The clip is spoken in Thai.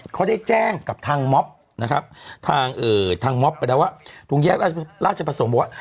เขาได้แจ้งกับทางม็อบนะครับทางม็อบไปแล้วว่าตรงแยกราชประสงค์บอกว่า